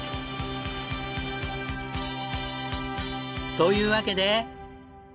というわけで。